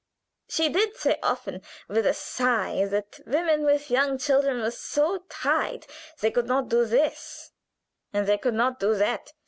She did say often, with a sigh, that women with young children were so tied; they could not do this, and they could not do that.